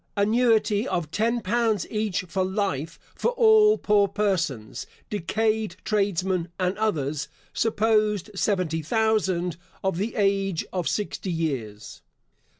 Annuity of ten pounds each for life for all poor persons, decayed tradesmen, and others (supposed seventy thousand) of the age of sixty years.